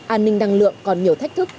an ninh năng lượng còn nhiều thách thức